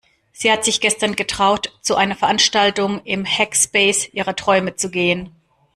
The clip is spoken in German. Sie hat sich gestern getraut, zu einer Veranstaltung im Hackspace ihrer Träume zu gehen.